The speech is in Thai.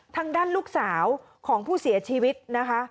ทางด้านลูกสาวของผู้เสียชีวิตนะคะ